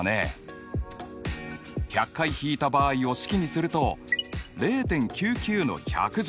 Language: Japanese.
１００回引いた場合を式にすると０．９９の１００乗。